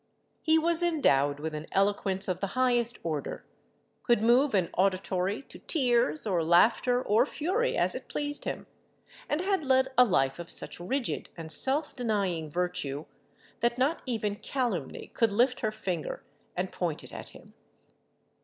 He was endowed with an eloquence of the highest order, could move an auditory to tears, or laughter, or fury, as it pleased him, and had led a life of such rigid and self denying virtue, that not even calumny could lift her finger and point it at him.